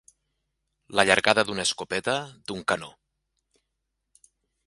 L'allargada d'una escopeta, d'un canó.